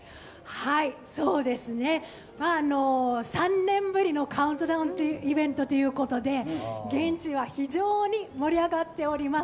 ３年ぶりのカウントダウンイベントで現地は非常に盛り上がっております。